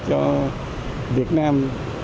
cho việt nam